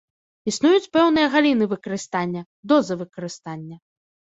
Існуюць пэўныя галіны выкарыстання, дозы выкарыстання.